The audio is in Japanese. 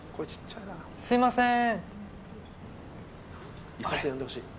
すいません